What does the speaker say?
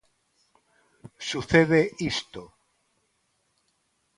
Sucede isto.